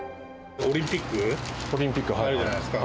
オリンピックあるじゃないですか。